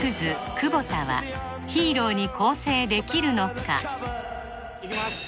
久保田はヒーローに更生できるのかいきます